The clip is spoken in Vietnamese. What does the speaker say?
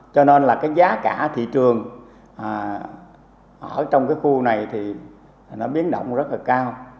cho nên là cái giá cả thị trường ở trong cái khu này thì nó biến động rất là cao